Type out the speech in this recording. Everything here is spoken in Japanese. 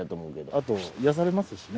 あと癒やされますしね。